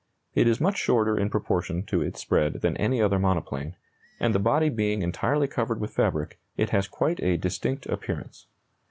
It is much shorter in proportion to its spread than any other monoplane, and the body being entirely covered with fabric, it has quite a distinct appearance.